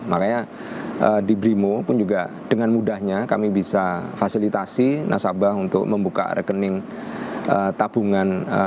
makanya di brimo pun juga dengan mudahnya kami bisa fasilitasi nasabah untuk membuka rekening tabungan